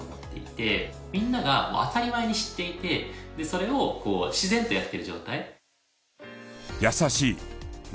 みんなが当たり前に知っていてでそれをこう自然とやっている状態。